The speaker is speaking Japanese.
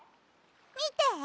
みて！